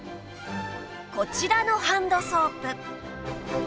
こちらのハンドソープ